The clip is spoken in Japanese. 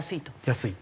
安い。